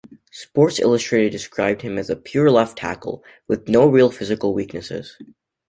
"Sports Illustrated" described him as "a pure left tackle" with "no real physical weaknesses".